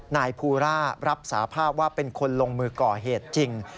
นายภูรารับสาภาพว่าเป็นคนลงมือก่อเหตุจริง